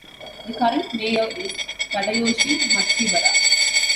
The current mayor is Tadayoshi Matsubara.